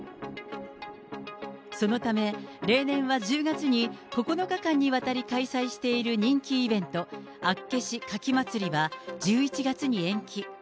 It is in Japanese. そのため、例年は１０月に９日間にわたり開催している人気イベント、あっけし牡蠣まつりは１１月に延期。